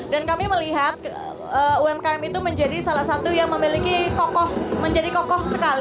dan kami melihat umkm itu menjadi salah satu yang memiliki kokoh menjadi kokoh sekali